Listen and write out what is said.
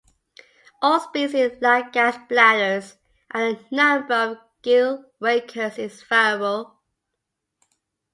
All species lack gas bladders and the number of gill rakers is variable.